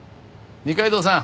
二階堂さん